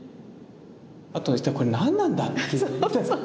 あとこれ何なんだっていうね。